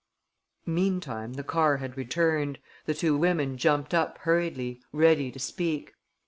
Meantime the car had returned. The two women jumped up hurriedly, ready to speak.